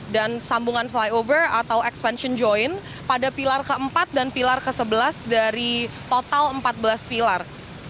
dan sambungan flyover atau expansion joint pada pilar keempat dan pilar kesebelas dari total empat belas pilar